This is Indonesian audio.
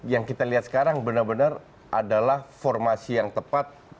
tiga empat tiga yang kita lihat sekarang benar benar adalah formasi yang tepat